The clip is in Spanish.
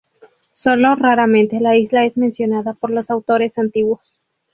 Sólo raramente la isla es mencionada por los autores antiguos.